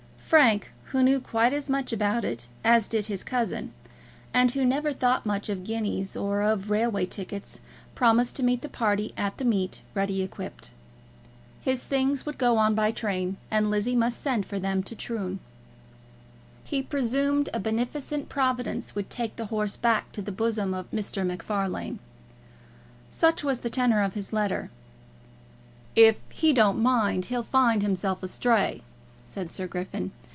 Frank, who knew quite as much about it as did his cousin, and who never thought much of guineas or of railway tickets, promised to meet the party at the meet ready equipped. His things would go on by train, and Lizzie must send for them to Troon. He presumed a beneficent Providence would take the horse back to the bosom of Mr. MacFarlane. Such was the tenour of his letter. "If he don't mind, he'll find himself astray," said Sir Griffin.